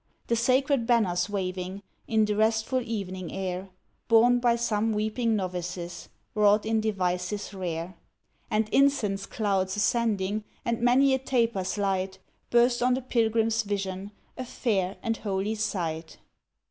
The sacred banners waving, In th' restful evening air, Borne by some weeping novices, Wrought in devices rare. And Incense clouds ascending, And many a taper's light, Burst on the pilgrims' vision, A fair and holy sight.